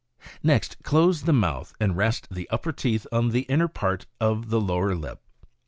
Next close the mouth, and rest the upper teeth on the inner part of the lower lip.